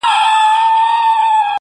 تور پنجاب پر نړېدو دی،